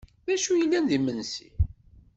D acu yellan d imensi?